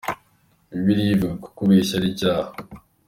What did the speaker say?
bibiliya ivuga ko kubeshya aricyaha.